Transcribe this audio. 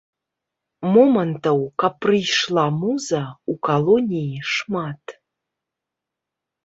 Момантаў, каб прыйшла муза, у калоніі шмат.